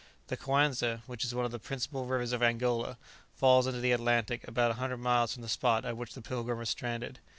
The Coanza, which is one of the principal rivers of Angola, falls into the Atlantic about a hundred miles from the spot at which the "Pilgrim" was stranded.